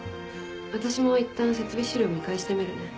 私もいったん設備資料見返してみるね。